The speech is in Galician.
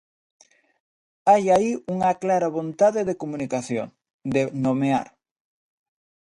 Hai aí unha clara vontade de comunicación, de nomear.